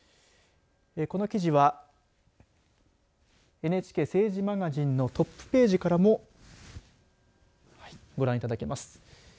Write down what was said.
この記事はＮＨＫ、政治マガジンのトップページからもご覧いただけます。